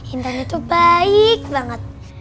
intan itu baik banget